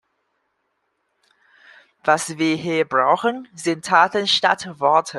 Was wir hier brauchen, sind Taten statt Worte.